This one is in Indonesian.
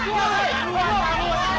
hei jangan berisik